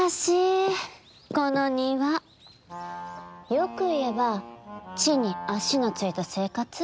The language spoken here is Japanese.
良く言えば地に足のついた生活？